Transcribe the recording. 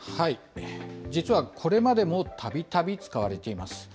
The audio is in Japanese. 実はこれまでもたびたび使われています。